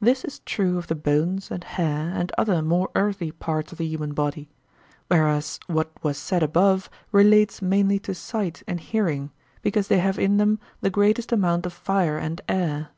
This is true of the bones and hair and other more earthy parts of the human body; whereas what was said above relates mainly to sight and hearing, because they have in them the greatest amount of fire and air.